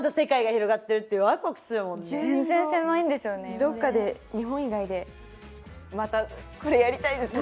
どっかで日本以外でまたこれやりたいですね。